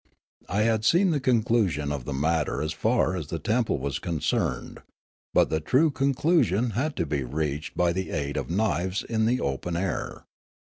I had seen the conclusion of the matter as far as the temple was concerned ; but the true conclusion had to be reached by the aid of knives in the open air.